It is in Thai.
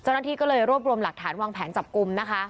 เจ้าหน้าที่ก็เลยรวบรวมหลักฐานวางแผนจับกลุ่มนะคะ